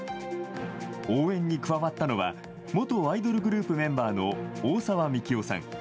応援に加わったのは元アイドルグループメンバーの大沢樹生さん。